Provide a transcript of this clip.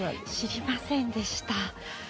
知りませんでした。